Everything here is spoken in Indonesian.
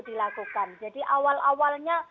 dilakukan jadi awal awalnya